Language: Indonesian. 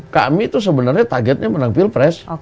kami itu sebenarnya targetnya menang pilpres